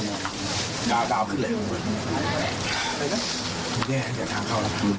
โอ้ยแย่แย่